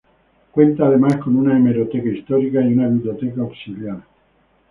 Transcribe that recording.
Cuenta además con una hemeroteca histórica, y una biblioteca auxiliar.